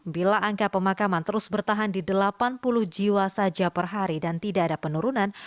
bila angka pemakaman terus bertahan di delapan puluh jiwa saja per hari dan tidak ada penurunan